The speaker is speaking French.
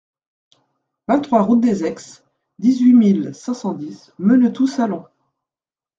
vingt-trois route des Aix, dix-huit mille cinq cent dix Menetou-Salon